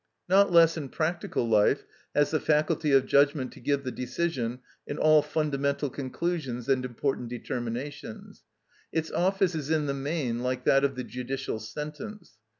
Not less in practical life has the faculty of judgment to give the decision in all fundamental conclusions and important determinations. Its office is in the main like that of the judicial sentence.